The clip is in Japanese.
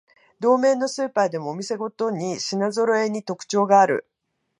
同名のスーパーでもお店ごとに品ぞろえに特徴がある